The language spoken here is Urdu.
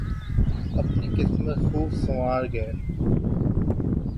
اپنی قسمت خوب سنوار گئے۔